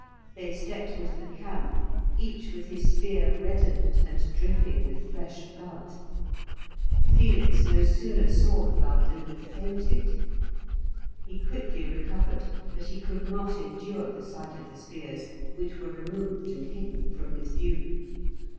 They stepped into the camp, each with his spear reddened and dripping with fresh blood. Felix no sooner saw the blood than he fainted. He quickly recovered, but he could not endure the sight of the spears, which were removed and hidden from his view.